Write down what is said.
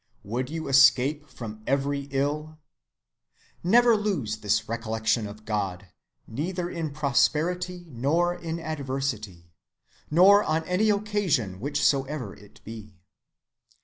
Would you escape from every ill? Never lose this recollection of God, neither in prosperity nor in adversity, nor on any occasion whichsoever it be.